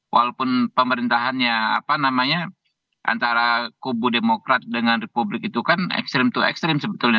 walaupun pemerintahannya apa namanya antara kubu demokrat dengan republik itu kan ekstrim to ekstrim sebetulnya